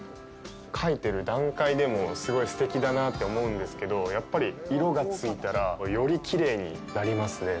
描いてる段階でもすごいすてきだなと思うんですけどやっぱり色がついたらよりきれいになりますね。